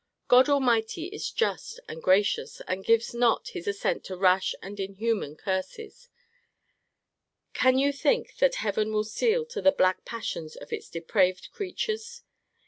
God Almighty is just and gracious, and gives not his assent to rash and inhuman curses. Can you think that Heaven will seal to the black passions of its depraved creatures?